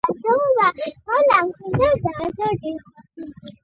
په جګړه کې د مدیریت ستونزې موجودې وې.